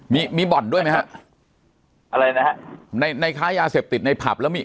มีมีบ่อนด้วยไหมฮะอะไรนะฮะในในค้ายาเสพติดในผับแล้วมี